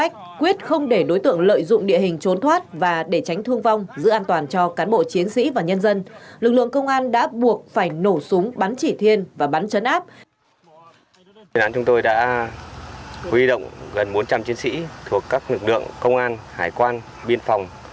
chuyên án chúng tôi đã huy động gần bốn trăm linh chiến sĩ thuộc các lực lượng công an hải quan biên phòng